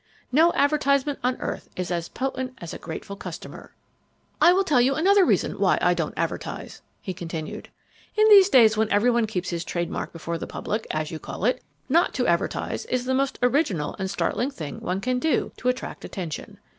No advertisement on earth is as potent as a grateful customer. "I will tell you another reason why I don't advertise," he continued. "In these days when everyone keeps his trademark before the public, as you call it, not to advertise is the most original and startling thing one can do to attract attention.